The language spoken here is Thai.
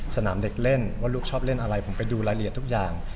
สนามเด็กเล่นว่าลูกชอบเล่นอะไรผมไปดูรายละเอียดทุกอย่าง